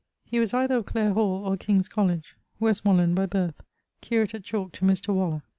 He was either of Clare hall or King's Colledge. Westmoreland by birth. Curate at Chalke to Mr. Waller.